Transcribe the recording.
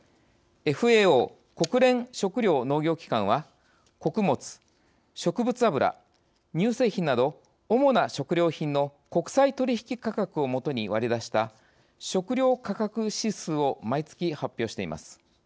ＦＡＯ＝国連食糧農業機関は穀物、植物油、乳製品など主な食料品の国際取引価格を基に割り出した食料価格指数を毎月発表しています。